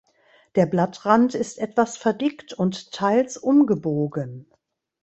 Der Blattrand ist etwas verdickt und teils umgebogen.